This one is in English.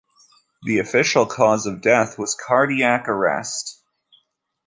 The official cause of death was cardiac arrest.